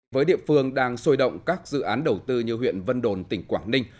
với địa phương đang sôi động các dự án đầu tư như huyện vân đồn tỉnh quảng ninh